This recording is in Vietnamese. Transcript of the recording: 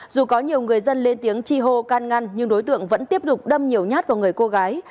dù có nhiều người dân lên tiếng chi hô can ngăn nhưng đối tượng vẫn tiếp tục đâm nhiều nhát vào người cô gái